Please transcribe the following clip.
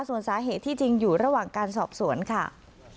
ส่วนสาเหตุที่จริงอยู่ระหว่างการสอบสวนค่ะ